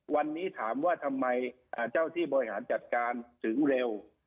วันนี้ถามว่าทำไมเจ้าที่บริหารจัดการถึงเร็ว